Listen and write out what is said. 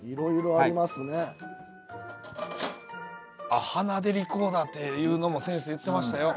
あっ鼻でリコーダーっていうのも先生言ってましたよ。